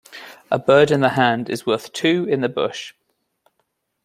A bird in the hand is worth two in the bush.